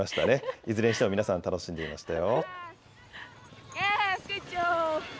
いずれにしても皆さん、楽しんでいましたよ。